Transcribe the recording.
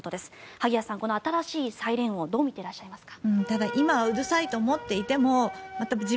萩谷さん、この新しいサイレン音どう見ていらっしゃいますか？